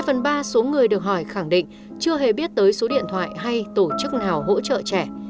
hai phần ba số người được hỏi khẳng định chưa hề biết tới số điện thoại hay tổ chức nào hỗ trợ trẻ